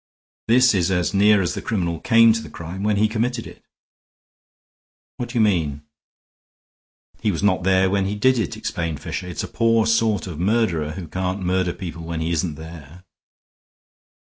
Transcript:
This is as near as the criminal came to the crime when he committed it." "What do you mean?" "He was not there when he did it," explained Fisher. "It's a poor sort of murderer who can't murder people when he isn't there."